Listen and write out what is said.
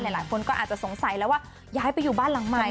หลายคนก็อาจจะสงสัยแล้วว่าย้ายไปอยู่บ้านหลังใหม่